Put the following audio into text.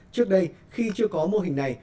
trước đây khi chưa có mô hình này